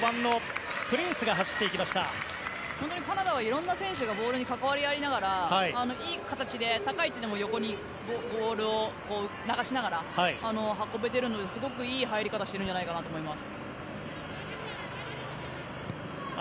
カナダはいろんな選手がボールに関わり合いながらいい形で高い位置でもボールを流しながら運べているのですごくいい入り方をしてるんじゃないかなと思います。